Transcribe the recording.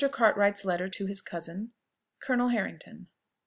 CARTWRIGHT'S LETTER TO HIS COUSIN. COLONEL HARRINGTON.